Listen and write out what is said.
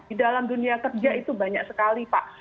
di dalam dunia kerja itu banyak sekali pak